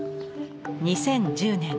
２０１０年